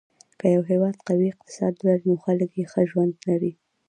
که یو هېواد قوي اقتصاد ولري، نو خلک یې ښه ژوند لري.